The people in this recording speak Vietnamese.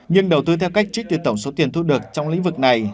nhưng đầu tư theo cách trích từ tổng số tiền thu được trong lĩnh vực này